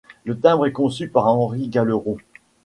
Le timbre est conçu par Henri Galeron.